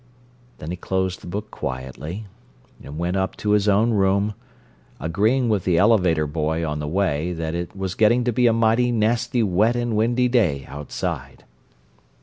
Then he closed the book quietly, and went up to his own room, agreeing with the elevator boy, on the way, that it was getting to be a mighty nasty wet and windy day outside.